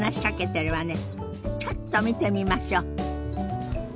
ちょっと見てみましょ。